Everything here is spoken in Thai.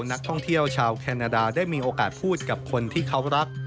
นักท่องเที่ยวชาวแคนาดาได้มีโอกาสพูดกับคนที่เขารัก